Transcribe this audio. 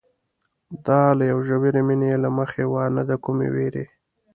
دا له یوې ژورې مینې له مخې وه نه د کومې وېرې.